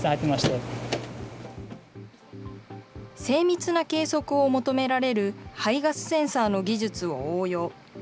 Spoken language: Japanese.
精密な計測を求められる排ガスセンサーの技術を応用。